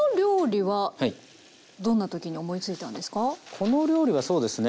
この料理はそうですね